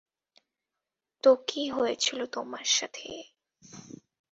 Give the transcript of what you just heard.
তো কি হয়েছিল তোমার সাথে?